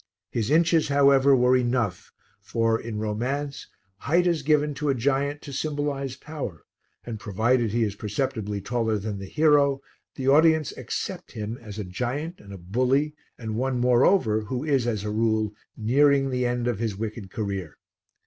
His inches, however, were enough, for, in romance, height is given to a giant to symbolize power, and provided he is perceptibly taller than the hero, the audience accept him as a giant and a bully and one, moreover, who is, as a rule, nearing the end of his wicked career.